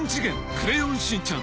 クレヨンしんちゃん』